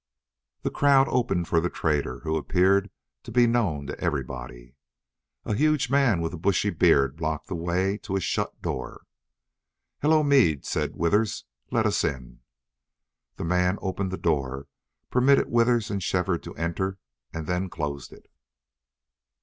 The crowd opened for the trader, who appeared to be known to everybody. A huge man with a bushy beard blocked the way to a shut door. "Hello, Meade!" said Withers. "Let us in." The man opened the door, permitted Withers and Shefford to enter, and then closed it.